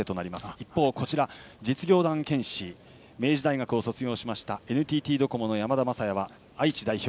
一方、実業団剣士明治大学を卒業しましたＮＴＴドコモの山田将也は愛知代表。